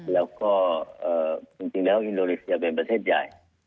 แล้วก็จริงแล้วอินโดนีเซียเป็นประเทศใหญ่